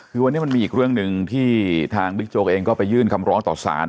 คือวันนี้มันมีอีกเรื่องหนึ่งที่ทางบิ๊กโจ๊กเองก็ไปยื่นคำร้องต่อสาร